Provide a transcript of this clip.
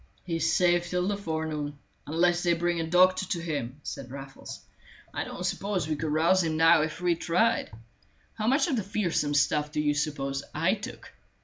"He is safe till the forenoon, unless they bring a doctor to him," said Raffles. "I don't suppose we could rouse him now if we tried. How much of the fearsome stuff do you suppose I took?